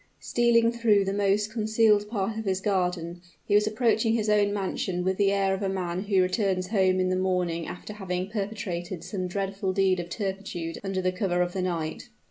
Stealing through the most concealed part of his garden, he was approaching his own mansion with the air of a man who returns home in the morning after having perpetrated some dreadful deed of turpitude under cover of the night.